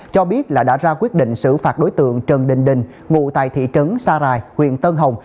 cho biết là đã ra quyết định xử phạt đối tượng trần đình đình ngụ tại thị trấn sa rài huyện tân hồng